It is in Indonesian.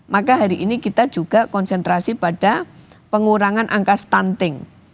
maka hari ini kita juga konsentrasi pada pengurangan angka stunting